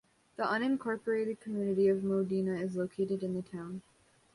The unincorporated community of Modena is located in the town.